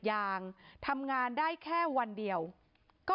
ไปทำงานกลีกยางทำงานได้แค่วันเดียวก็ออก